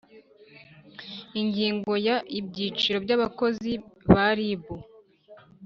Ingingo ya ibyiciro by abakozi ba rib